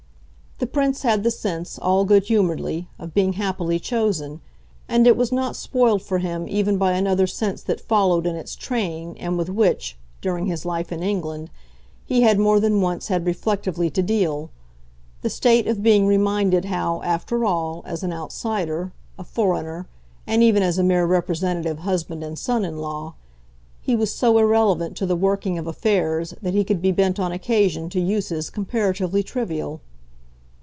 The Prince had the sense, all good humouredly, of being happily chosen, and it was not spoiled for him even by another sense that followed in its train and with which, during his life in England, he had more than once had reflectively to deal: the state of being reminded how, after all, as an outsider, a foreigner, and even as a mere representative husband and son in law, he was so irrelevant to the working of affairs that he could be bent on occasion to uses comparatively trivial.